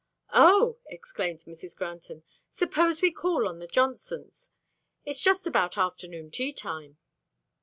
"Oh!" exclaimed Mrs. Granton, "Suppose we call on the Johnsons. It's just about afternoon tea time."